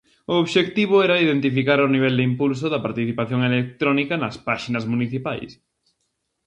O obxectivo era identificar o nivel de impulso da participación electrónica nas paxinas municipais.